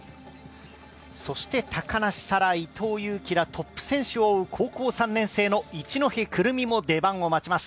そして高梨沙羅、伊藤有希らトップ選手を追う高校３年生の一戸くる実も出番を待ちます。